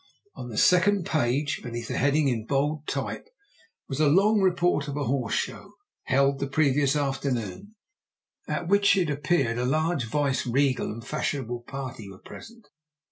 On the second page, beneath a heading in bold type, was a long report of a horse show, held the previous afternoon, at which it appeared a large vice regal and fashionable party were present.